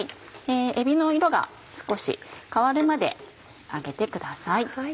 えびの色が少し変わるまで揚げてください。